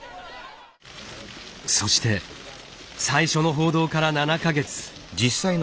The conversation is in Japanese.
そして最初の報道から７か月。